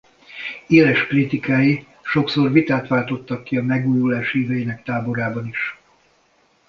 Éles kritikái sokszor vitát váltottak ki a megújulás híveinek táborában is.